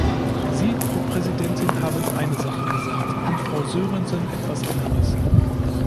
Sie, Frau Präsidentin, haben eine Sache gesagt, und Frau Sörensen etwas anderes.